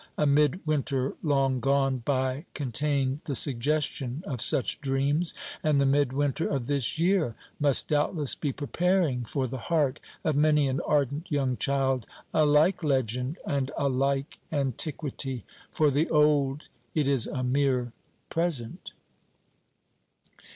A midwinter long gone by contained the suggestion of such dreams; and the midwinter of this year must doubtless be preparing for the heart of many an ardent young child a like legend and a like antiquity. For the old it is a mere present.